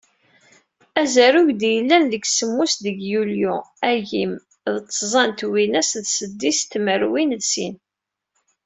Azarug i d-yellan, deg semmus deg yulyu, agim d tẓa twinas d seddis tmerwin d sin.